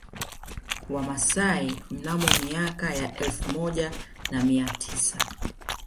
Wamasai mnamo miaka ya elfu moja na mia tisa